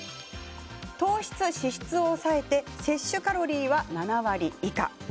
糖質、脂質を抑えて摂取カロリーは７割以下。